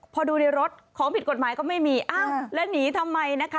พอดูในรถของผิดกฎหมายก็ไม่มีอ้าวแล้วหนีทำไมนะคะ